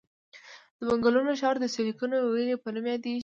د بنګلور ښار د سیلیکون ویلي په نوم یادیږي.